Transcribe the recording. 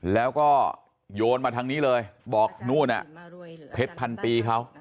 แล้วก็โยนมาทางนี้เลยบอกนู่นน่ะเพชรพันปีเขา